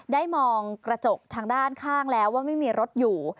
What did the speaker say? ได้มองกระจกทางด้านข้างแล้วว่าไม่มีรถอยู่